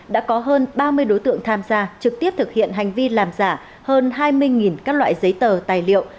đã có hơn ba mươi đối tượng tham gia trực tiếp thực hiện hành vi làm giả hơn hai mươi các loại giấy tờ tài liệu